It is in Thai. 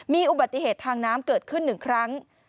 มีอุบัติเหตุทางน้ำเกิดขึ้น๑ครั้ง